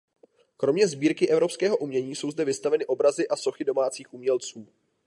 Kromě sbírky evropského umění jsou zde vystaveny obrazy a sochy domácích umělců.